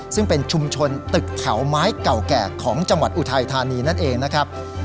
ซึ่งเป็นชุมชนตึกแถวไม้เก่าแก่ของจังหวัดอุทัยธานีนั่นเองนะครับ